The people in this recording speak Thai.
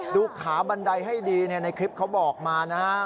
ดูขาบันไดให้ดีในคลิปเขาบอกมานะครับ